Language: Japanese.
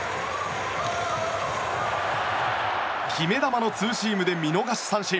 決め球のツーシームで見逃し三振！